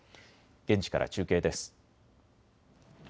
現地から中継です。